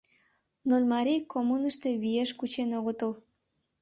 Нольмарий коммунышто виеш кучен огытыл.